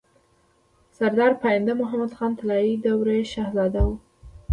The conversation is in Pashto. سردار پاينده محمد خان طلايي دورې شهزاده وو